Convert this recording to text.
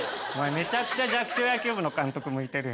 めちゃくちゃ弱小野球部の監督向いてるよ。